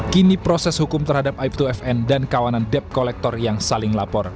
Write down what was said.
kini proses hukum terhadap aib dua fn dan kawanan debt collector yang saling lapor